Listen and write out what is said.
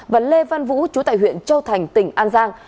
và lê văn vũ chú tại huyện châu thành tỉnh an giang